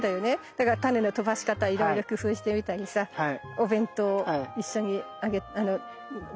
だから種の飛ばし方いろいろ工夫してみたりさお弁当一緒に加えたりとかね。